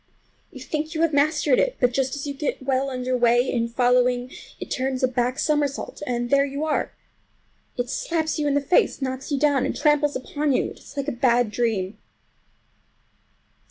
You think you have mastered it, but just as you get well under way in following, it turns a back somersault and there you are. It slaps you in the face, knocks you down, and tramples upon you. It is like a bad dream.